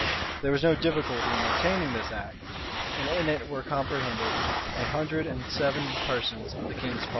There was no difficulty in obtaining this act; and in it were comprehended a hundred and seven persons of the king's party.